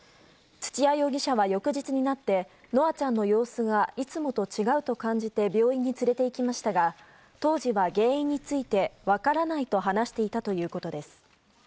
土屋容疑者は翌日になって夢空ちゃんの様子がいつもと違うと感じて病院に連れていきましたが当時は原因について分からないと話していたということです。